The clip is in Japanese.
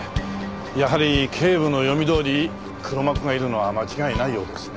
やはり警部の読みどおり黒幕がいるのは間違いないようですね。